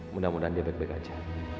mudah mudahan dia baik baik aja